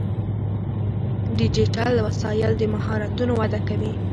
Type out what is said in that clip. ډیجیټل وسایل د مهارتونو وده کوي.